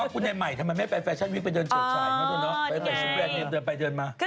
คุณใหม่ทำไมไม่ไปแฟชั่นวิกไปเดินเจินชาย